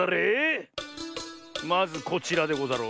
まずこちらでござろう。